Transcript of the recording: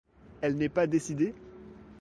Elle n'est pas décidée ?